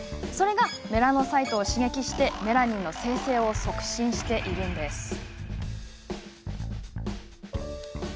それがメラノサイトを刺激しメラニンの生成を促進しているんです。